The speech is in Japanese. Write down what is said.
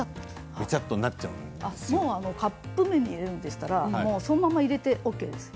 カップ麺に入れるんでしたら、そのまま入れてＯＫです。